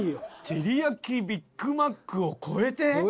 てりやきビッグマックを超えて？